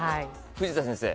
藤田先生。